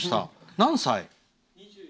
何歳？